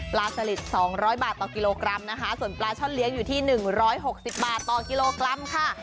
ปลาสลิดสองร้อยบาทต่อกิโลกรัมนะคะส่วนปลาช่อนเลี้ยงอยู่ที่หนึ่งร้อยหกสิบบาทต่อกิโลกรัมค่ะ